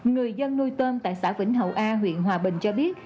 người dân nuôi tôm tại xã vĩnh hậu a huyện hòa bình cho biết